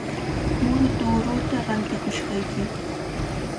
Muru tuuruuta rantikushayki.